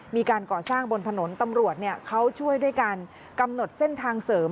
มีการก่อสร้างบนถนนตำรวจเขาช่วยด้วยการกำหนดเส้นทางเสริม